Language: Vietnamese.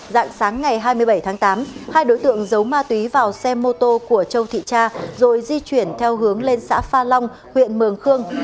dạng sáng ngày hai mươi bảy tháng tám hai đối tượng giấu ma túy vào xe mô tô của châu thị cha rồi di chuyển theo hướng lên xã pha long huyện mường khương